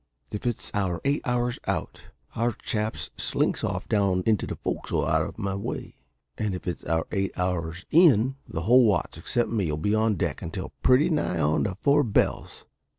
If it's our eight hours out, our chaps slinks off down into the fo'c's'le out o' my way; and if it's our eight hours in, the whole watch except me 'll be on deck until pretty nigh on to four bells.